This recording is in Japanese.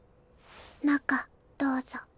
中どうぞ。